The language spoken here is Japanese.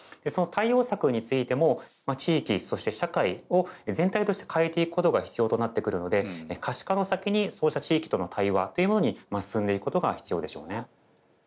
その対応策についてもまあ地域そして社会を全体として変えていくことが必要となってくるので可視化の先にそうした地域との対話というものに進んでいくことが必要でしょうね。